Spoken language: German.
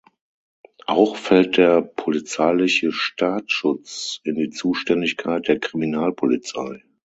Auch fällt der polizeiliche Staatsschutz in die Zuständigkeit der Kriminalpolizei.